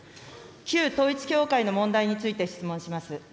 旧統一教会の問題について質問します。